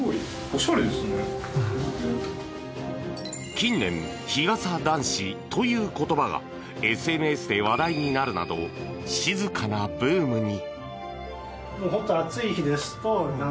近年、日傘男子という言葉がＳＮＳで話題になるなど静かなブームに。